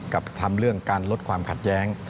กับทำเรื่องการลดความขัดแย้ง